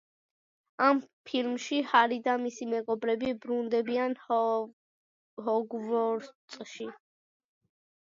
ამ ფილმში ჰარი და მისი მეგობრები ბრუნდებიან ჰოგვორტსში.